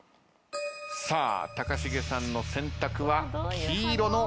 さあ高重さんの選択は黄色のカードです。